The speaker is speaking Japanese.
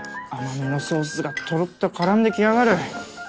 甘めのソースがとろっと絡んできやがる。